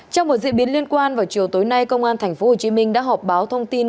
trong một diễn biến liên quan vào chiều tối nay công an tp hcm đã họp báo thông tin